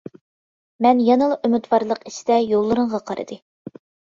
مەن يەنىلا ئۈمىدۋارلىق ئىچىدە يوللىرىڭغا قارىدى.